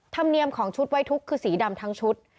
ธรรมเนียมของชุดไว้ทุกข์คือสีดำทั้งชุด